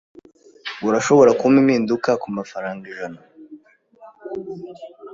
Urashobora kumpa impinduka kumafaranga ijana?